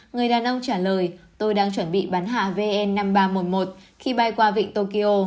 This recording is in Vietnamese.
người đàn ông trả lời tôi đang chuẩn bị bắn hạ vn năm nghìn ba trăm một mươi một khi bay qua vịnh tokyo